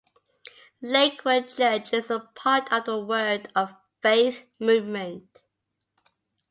Lakewood Church is a part of the Word of Faith movement.